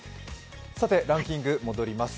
ランキング戻ります。